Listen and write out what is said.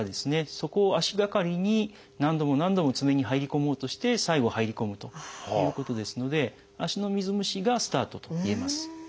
そこを足がかりに何度も何度も爪に入り込もうとして最後入り込むということですので足の水虫がスタートといえます。